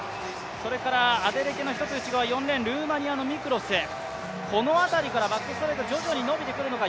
アデレケの１つ内側、ルーマニアのミクロス、この辺りからバックストレート、徐々に伸びてくるのか。